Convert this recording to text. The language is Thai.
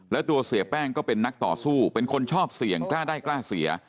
แล้วตัวเสียแป้งก็เป็นนักต่อสู้เป็นคนชอบเสี่ยงกล้าได้กล้าเสีย